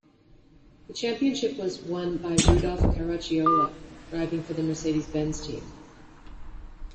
The championship was won by Rudolf Caracciola, driving for the Mercedes-Benz team.